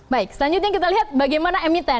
baik selanjutnya kita lihat bagaimana emiten